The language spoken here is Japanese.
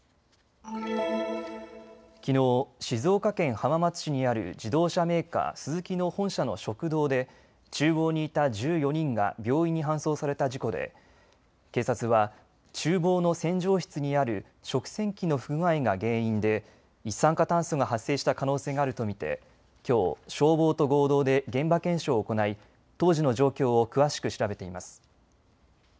きのう、静岡県浜松市にある自動車メーカー、スズキの本社の食堂でちゅう房にいた１４人が病院に搬送された事故で警察はちゅう房の洗浄室にある食洗機の不具合が原因で一酸化炭素が発生した可能性があると見て、きょう消防と合同で現場検証を行い当時の状況を詳しく調べています。